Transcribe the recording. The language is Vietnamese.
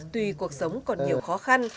tùy cuộc sống còn nhiều khó khăn